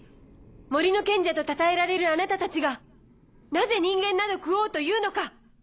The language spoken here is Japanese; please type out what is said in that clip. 森の賢者とたたえられるあなたたちがなぜ人間など食おうというのか。